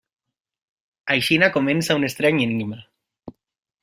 Així comença un estrany enigma.